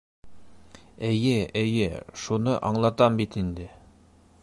Эйе, эйе, шуны аңлатам бит инде...